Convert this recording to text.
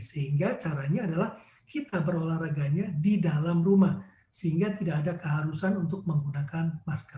sehingga caranya adalah kita berolahraganya di dalam rumah sehingga tidak ada keharusan untuk menggunakan masker